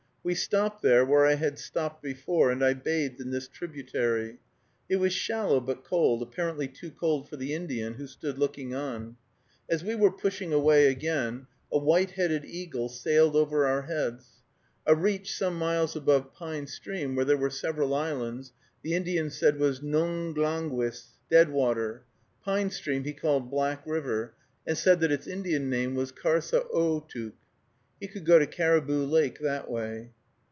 We stopped there, where I had stopped before, and I bathed in this tributary. It was shallow but cold, apparently too cold for the Indian, who stood looking on. As we were pushing away again, a white headed eagle sailed over our heads. A reach some miles above Pine Stream, where there were several islands, the Indian said was Nonglangyis Deadwater. Pine Stream he called Black River, and said that its Indian name was Karsaootuk. He could go to Caribou Lake that way.